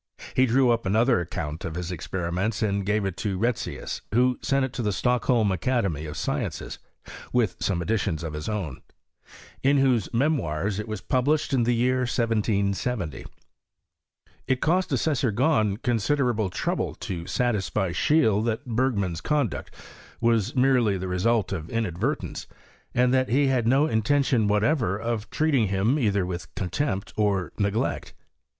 He drew up another account of his experiments and gave it to Retzius, who sent it to the Stockholm Academy of Sciences (with some additions of his own), in whose Memoirs it was published in the year 1770.* It cost Assessor Grahn considerable trouble to satisfy Seheele that Bergman's conduct was merely the result of in advertence, and that he had no intention whatever of treating him either with contempt or neglect.